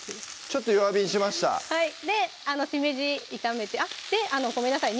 ちょっと弱火にしましたでしめじ炒めてあのごめんなさい